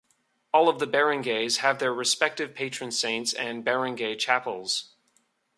All of the barangays have their respective patron saints and barangay chapels.